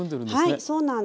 はいそうなんです。